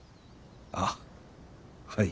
あっはい。